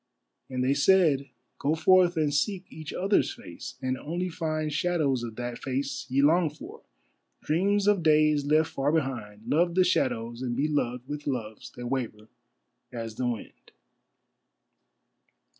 And they said, "Go forth and seek each other's face, and only find Shadows of that face ye long for, dreams of days left far behind, Love the shadows and be loved with loves that waver as the wind."